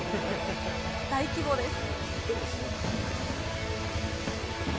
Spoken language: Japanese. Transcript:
大規模です。